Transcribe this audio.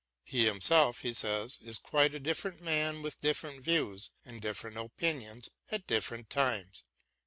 He himself, he says, is quite a different man with different views and different opinions at different times.